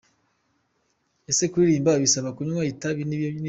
Ese kuririmba bisaba kunywa ibitabi n’ibiyoga